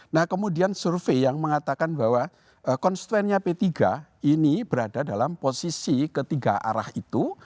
nah kemudian survei yang mengatakan bahwa konstituennya p tiga ini berada dalam posisi ketiga arah itu